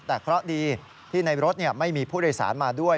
แต่เคราะห์ดีที่ในรถไม่มีผู้โดยสารมาด้วย